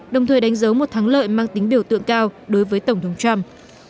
đồng thời đánh dấu một thắng lợi mang tính biểu tượng cao đối với tổng thống trump